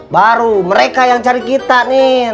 baru mereka yang cari kita nih